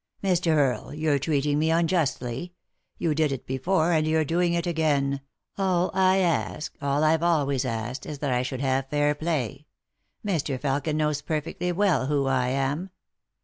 " Mr. Earle, you're treating me unjustly ; you did it before, and you're doing it again ; all I ask, all I've always asked, is that I should have lair play. Mr. Pelkin knows perfectly well who I am."